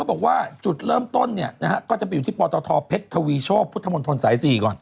บอกว่าจุดเริ่มต้นเนี่ยนะฮะก็จะไปอยู่ที่ปตทเพชรทวีโชคพุทธมนตรสาย๔ก่อน